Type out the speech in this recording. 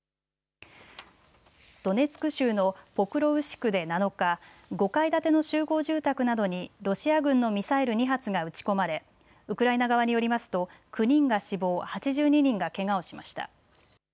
ドネツク州のポクロウシクで７日、５階建ての集合住宅などにロシア軍のミサイル２発が撃ち込まれウクライナ側によりますと９人が死亡、８２人がけがをしました。